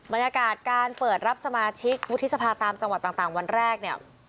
บรรยากาศการเปิดรับสมาชิกวุฒิสภาตามจังหวัดต่างวันแรกเนี่ย